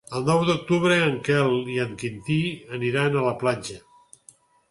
El nou d'octubre en Quel i en Quintí aniran a la platja.